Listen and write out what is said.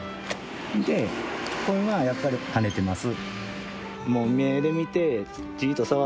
でこれはやっぱりはねてます。